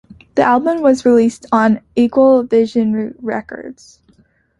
The album was released on Equal Vision Records.